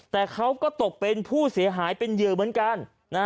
แต่เขาก็ตกเป็นผู้เสียหายเป็นเหยื่อเหมือนกัน